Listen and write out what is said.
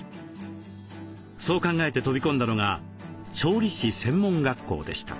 そう考えて飛び込んだのが調理師専門学校でした。